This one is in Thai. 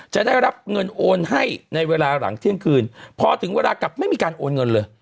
จะได้รับเงินโอนให้ในเวลาหลังเที่ยงคืนพอถึงเวลากลับไม่มีการโอนเงินเลย